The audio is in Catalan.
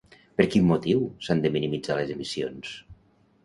Per quin motiu s'han de minimitzar les emissions?